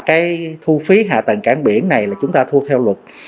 cái thu phí hạ tầng cảng biển này là chúng ta thu theo luật